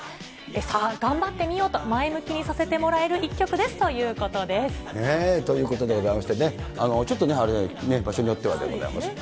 さあ、頑張ってみようと前向きにさせてもらえる一曲ですというこということでございましてね、ちょっとね、場所によってはでございます。